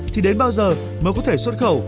thì đến bao giờ mới có thể xuất khẩu